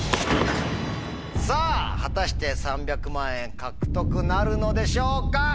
さぁ果たして３００万円獲得なるのでしょうか？